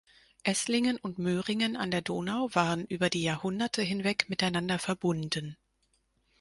Eßlingen und Möhringen an der Donau waren über die Jahrhunderte hinweg miteinander verbunden.